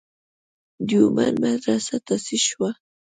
دیوبند مدرسه تاسیس شوه.